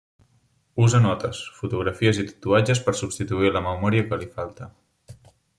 Usa notes, fotografies i tatuatges per substituir la memòria que li falta.